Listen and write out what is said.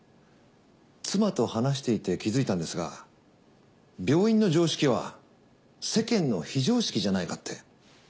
妻と話していて気づいたんですが病院の常識は世間の非常識じゃないかって。